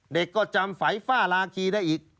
เด็กก็จำฝัยฝ้าลาคีได้อีก